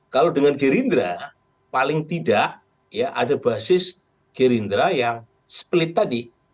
kalau dengan gerindra paling tidak ya ada basis gerindra yang split tadi